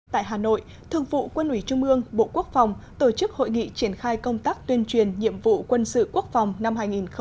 tại hà nội thương vụ quân ủy trung ương bộ quốc phòng tổ chức hội nghị triển khai công tác tuyên truyền nhiệm vụ quân sự quốc phòng năm hai nghìn một mươi chín